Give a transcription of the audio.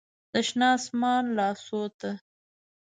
د شنه اسمان لاسو ته